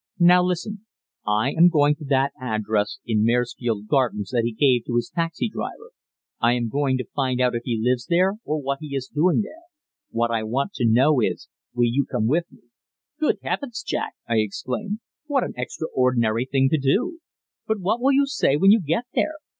Now listen. I am going to that address in Maresfield Gardens that he gave to his taxi driver. I am going to find out if he lives there, or what he is doing there. What I want to know is Will you come with me?" "Good heavens, Jack!" I exclaimed, "what an extraordinary thing to do. But what will you say when you get there?